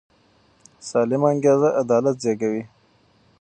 سالمه انګیزه عدالت زېږوي